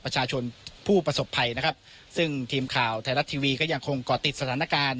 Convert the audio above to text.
ประชาชนผู้ประสบภัยนะครับซึ่งทีมข่าวไทยรัฐทีวีก็ยังคงก่อติดสถานการณ์